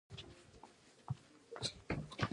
عضلات یا غوښې څه دنده لري